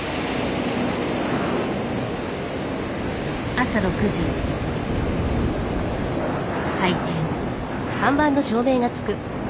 朝６時開店。